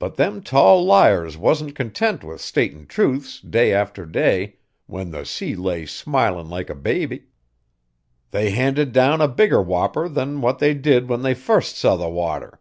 But them tall liars wasn't content with statin' truths, day after day, when the sea lay smilin' like a babby; they handed down a bigger whopper than what they did when they fust saw the water.